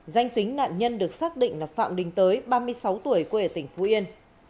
danh tính nạn nhân được xác định là phạm đình tới ba mươi sáu tuổi quê ở tỉnh phú yên